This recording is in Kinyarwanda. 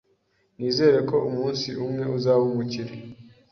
Nizera ko umunsi umwe azaba umukire.